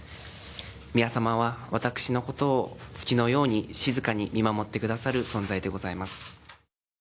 宮様は私のことを月のように静かに見守ってくださる存在でございます。